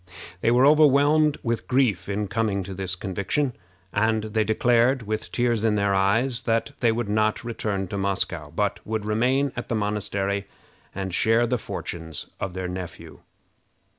They were overwhelmed with grief in coming to this conviction, and they declared, with tears in their eyes, that they would not return to Moscow, but would remain at the monastery and share the fortunes of their nephew.